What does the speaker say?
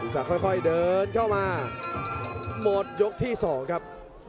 สักค่อยเดินเข้ามาหมดยกที่๒ครับ